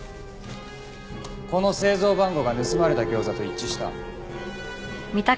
この製造番号が盗まれた餃子と一致した。